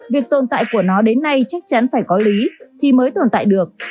việc tồn tại của nó đến nay chắc chắn phải có lý thì mới tồn tại được